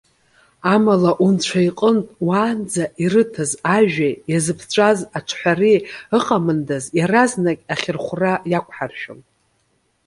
Амала, Унцәа иҟынтә, уаанӡа ирыҭаз ажәеи иазыԥҵәаз аҽҳәареи ыҟамындаз, иаразнак ахьырхәра иақәҳаршәон.